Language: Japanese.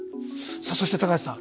さあそして橋さん。